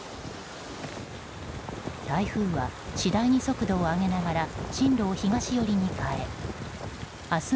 台風は次第に速度を上げながら進路を東寄りに変え明日